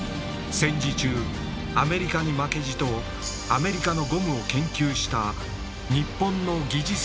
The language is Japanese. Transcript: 戦時中アメリカに負けじとアメリカのゴムを研究した日本の技術者がいた。